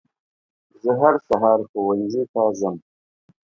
زه هر سهار ښوونځي ته ځم.